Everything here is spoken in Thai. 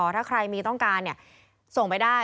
ถ้าใครมีต้องการส่งไปได้